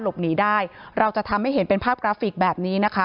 หลบหนีได้เราจะทำให้เห็นเป็นภาพกราฟิกแบบนี้นะคะ